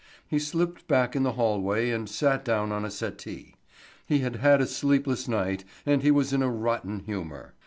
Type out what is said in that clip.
He slipped back in the hallway and sat down on a settee. He had had a sleepless night and he was in a rotten humor.